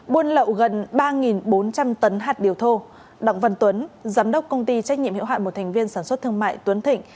buôn lậu gần ba bốn trăm linh tấn hạt điều thô đặng văn tuấn giám đốc công ty trách nhiệm hiệu hạn một thành viên sản xuất thương mại tuấn thịnh